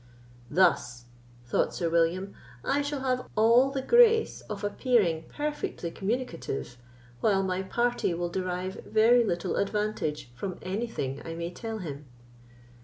"Thus," thought Sir William, "I shall have all the grace of appearing perfectly communicative, while my party will derive very little advantage from anything I may tell him."